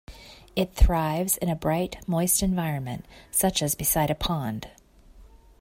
It thrives in a bright, moist environment, such as beside a pond.